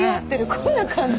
こんな感じ。